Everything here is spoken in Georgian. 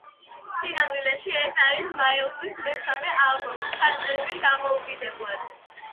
სინამდვილეში, ეს არის მაილზის მესამე ალბომი, ჩაწერილი დამოუკიდებლად.